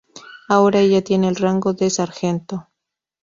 Ahora ella tiene el rango de sargento.